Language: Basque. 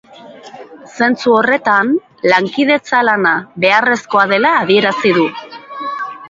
Zentzu horretan, lankidetza lana beharrezkoa dela adierazi du.